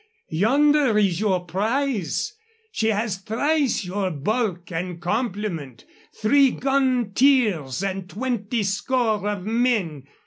Yonder is your prize. She has thrice your bulk and complement three gun tiers and twenty score of men.